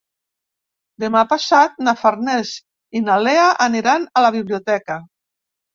Demà passat na Farners i na Lea aniran a la biblioteca.